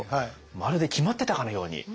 まるで決まってたかのように。